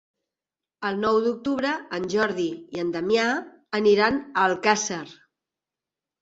El nou d'octubre en Jordi i en Damià aniran a Alcàsser.